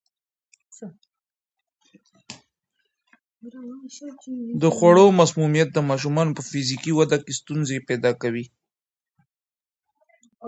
د خوړو مسمومیت د ماشومانو په فزیکي وده کې ستونزې پیدا کوي.